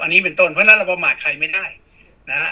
อันนี้เป็นต้นเพราะฉะนั้นเราประมาทใครไม่ได้นะฮะ